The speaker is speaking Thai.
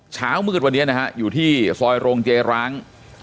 เช้ามืดวันนี้นะฮะอยู่ที่ซอยโรงเกร้าง